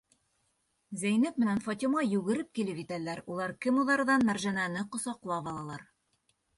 Зәйнәп менән Фатима йүгереп килеп етәләр, улар кемуҙарҙан Мәржәнәне ҡосаҡлап алалар.